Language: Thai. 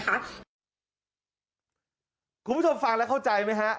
คุณผู้ชมฟังแล้วเข้าใจไหมฮะ